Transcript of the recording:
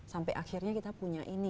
sampai akhirnya kita punya ini